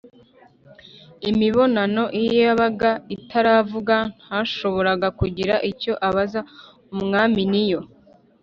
imibonano, iyo yabaga itaravuga ntashoboraga kugira icyo abaza umwamin’iyo